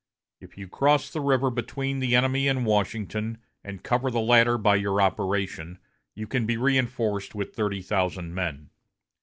If you cross the river between the enemy and Washington, and cover the latter by your operation, you can be reinforced with thirty thousand men.